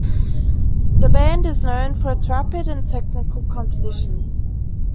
The band is known for its rapid and technical compositions.